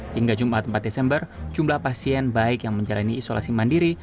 hingga jumat empat desember jumlah pasien baik yang menjalani isolasi mandiri